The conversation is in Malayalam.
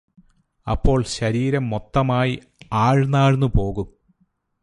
അപ്പോള് ശരീരം മൊത്തമായി ആഴ്ന്നാഴ്ന്നു പോകും